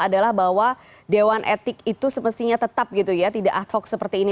adalah bahwa dewan etik itu sepestinya tetap tidak ad hoc seperti ini